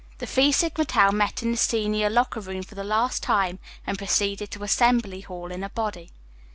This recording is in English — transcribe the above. The Phi Sigma Tau met in the senior locker room for the last time and proceeded to Assembly Hall in a body.